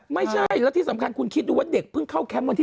ไม่ใช่แล้วที่สำคัญคุณคิดดูว่าเด็กเพิ่งเข้าแคมป์วันที่๑